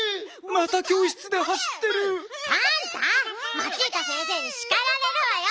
マチータ先生にしかられるわよ！